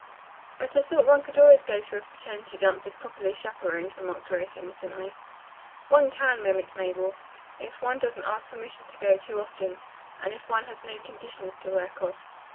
"But I thought one could always go to a fraternity dance if properly chaperoned," remarked Grace innocently. "One can," mimicked Mabel, "if one doesn't ask permission to go too often, and if one has no conditions to work off.